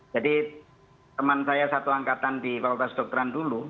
jadi teman saya satu angkatan di kualitas dokteran dulu